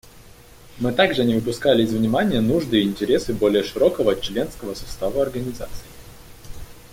Мы также не выпускали из внимания нужды и интересы более широкого членского состава Организации.